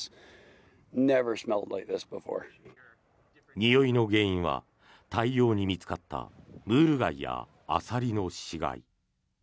においの原因は大量に見つかったムール貝やアサリの死骸。